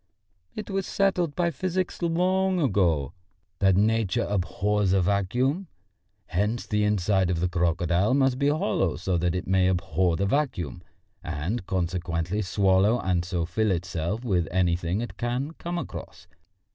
It was settled by physics long ago that Nature abhors a vacuum. Hence the inside of the crocodile must be hollow so that it may abhor the vacuum, and consequently swallow and so fill itself with anything it can come across.